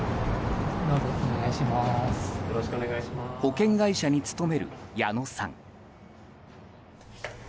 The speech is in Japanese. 保険会社に勤める矢野さん。